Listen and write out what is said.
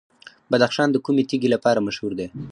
بدخشان د کومې تیږې لپاره مشهور دی؟